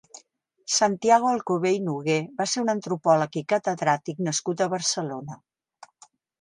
Santiago Alcobé i Noguer va ser un antropòleg i catedràtic nascut a Barcelona.